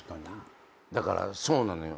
だからそうなのよ。